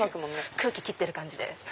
空気切ってる感じで。